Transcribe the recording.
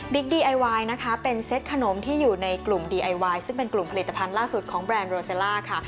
และดีไอวายเป็นกลุ่มผลิตภัณฑ์ล่าสุดของแบรนด์โรเซลล่า